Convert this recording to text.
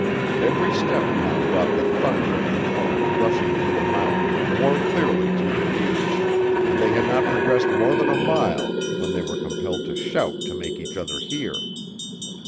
Every step now brought the thunder of the torrent rushing through the mountain more clearly to their ears, and they had not progressed more than a mile when they were compelled to shout to make each other hear.